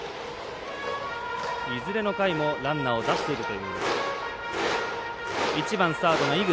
いずれの回もランナーを出しているという１番サードの井口。